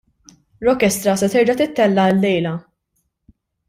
Rockestra se terġa' tittella' llejla.